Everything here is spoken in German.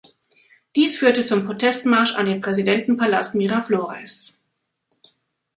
Dies führte zum Protestmarsch an den Präsidentenpalast Miraflores.